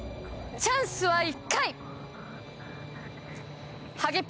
チャンスは１回。